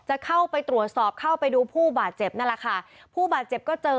จะเข้าไปตรวจสอบเข้าไปดูผู้บาดเจ็บนั่นแหละค่ะผู้บาดเจ็บก็เจอ